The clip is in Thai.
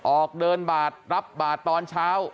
ออกเดินบาดรับบาทตอนเช้า